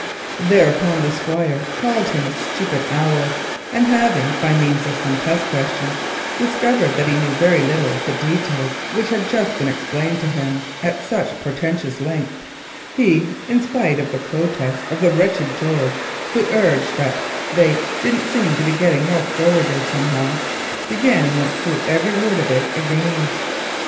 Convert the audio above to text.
Thereupon the Squire called him a stupid owl, and having by means of some test questions discovered that he knew very little of the details which had just been explained to him at such portentous length, in spite of the protest of the wretched George, who urged that they "didn't seem to be gitting no forrader somehow," he began and went through every word of it again.